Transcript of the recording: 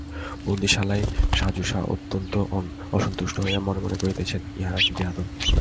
বন্দীশালায় শাসুজা অত্যন্ত অসন্তুষ্ট হইয়া মনে মনে কহিতেছেন, ইহারা কী বেআদব!